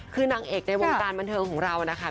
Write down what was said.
คือนางเอกในวงการบันเทิงของเรานะคะ